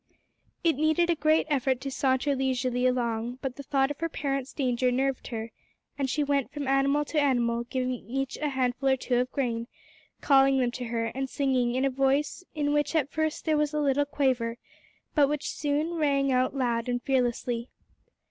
It needed a great effort to saunter leisurely along, but the thought of her parents' danger nerved her, and she went from animal to animal, giving each a handful or two of grain, calling them to her, and singing in a voice in which at first there was a little quaver, but which soon rang out loud and fearlessly.